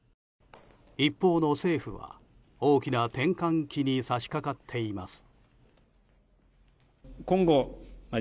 一方の政府は、大きな転換期に差し掛かっています。